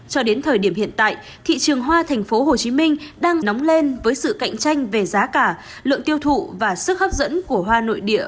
cho đến thời điểm hiện tại thị trường hoa tp hcm đang nóng lên với sự cạnh tranh về giá cả lượng tiêu thụ và sức hấp dẫn của hoa nội địa